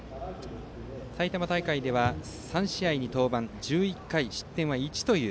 埼玉大会では３試合に登板して１１回、失点１。